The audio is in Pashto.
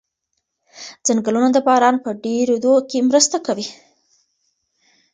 ځنګلونه د باران په ډېرېدو کې مرسته کوي.